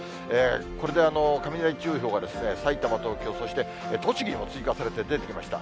これで雷注意報が埼玉、東京、そして栃木にも追加されて出てきました。